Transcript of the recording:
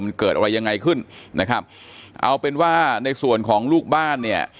มันเกิดอะไรยังไงขึ้นนะครับเอาเป็นว่าในส่วนของลูกบ้านเนี่ย